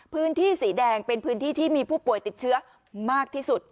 พื้นที่สีแดงเป็นพื้นที่ที่มีผู้ป่วยติดเชื้อมากที่สุด